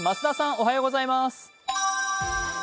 おはようございます。